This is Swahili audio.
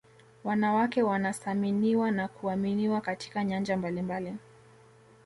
wanawake wanasaminiwa na kuaminiwa katika nyanja mbalimbali